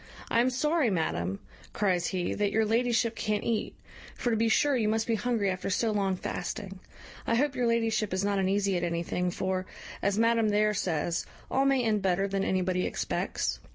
"I am sorry, madam," cries he, "that your ladyship can't eat; for to be sure you must be hungry after so long fasting. I hope your ladyship is not uneasy at anything, for, as madam there says, all may end better than anybody expects.